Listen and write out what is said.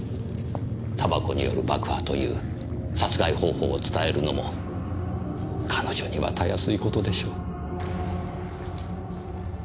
煙草による爆破という殺害方法を伝えるのも彼女にはたやすいことでしょう。